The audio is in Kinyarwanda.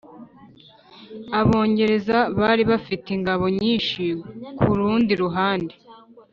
abongereza bari bafite ingabo nyinshi kurundi ruhande.